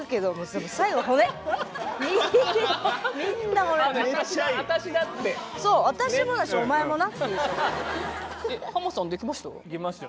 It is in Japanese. でハマさん出来ました？